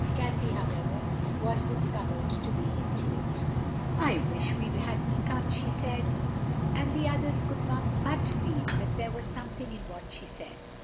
Cathay, however, was discovered to be in tears. "I wish we hadn't come," she said; and the others could not but feel that there was something in what she said.